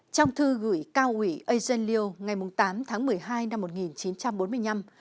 trong thư gửi cao ủy agen liu ngày tám tháng một mươi hai năm một nghìn chín trăm bốn mươi năm